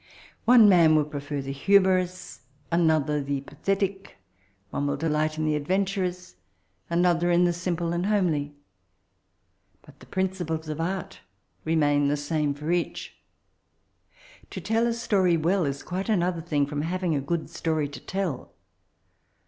One man will prefer the humorous, another the pathetic ; one will delieht in the adventarons, an other in u\e simple and homely ; bat the principles of Art remain the same (ot each. To tell a story well, is quite another thing from having a good story to tell.